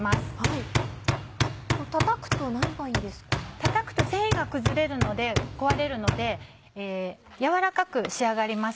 たたくと繊維が崩れるので壊れるので軟らかく仕上がります。